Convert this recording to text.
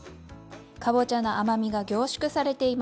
かぼちゃの甘みが凝縮されています。